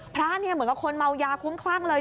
พระเนี่ยเหมือนกับคนเมายาคุ้มคลั่งเลย